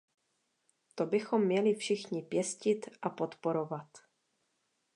To bychom měli všichni pěstit a podporovat.